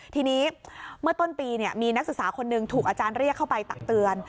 ทีนี้เมื่อต้นปีมีนักศึกษาคนหนึ่งถูกอาจารย์เรียกเข้าไปตักเตือน